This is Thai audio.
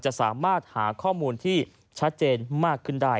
จะสามารถหาข้อมูลที่ชัดเจนมากขึ้นได้